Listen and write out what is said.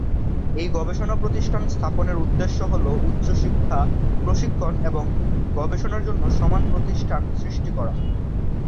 এই গবেষণা প্রতিষ্ঠান স্থাপনের উদ্দেশ্য হল উচ্চ শিক্ষা, প্রশিক্ষণ এবং গবেষণার জন্য সমান প্রতিষ্ঠান সৃষ্টি করা।